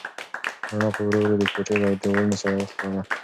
رڼا په ورو ورو د کوټې له دیوالونو سر وخوړ.